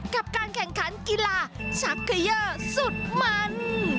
กับการแข่งขันกีฬาชักเขย่อสุดมัน